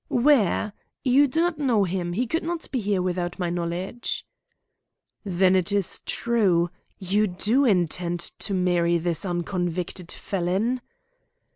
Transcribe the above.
"Where? You do not know him. He could not be here without my knowledge." "Then it is true. You do intend to marry this unconvicted felon?"